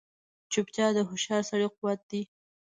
چوپتیا، د هوښیار سړي قوت دی.